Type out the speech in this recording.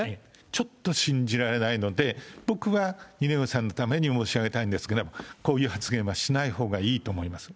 ちょっと信じられないので、僕は二之湯さんのために申し上げたいんですが、こういう発言はしないほうがいいと思います。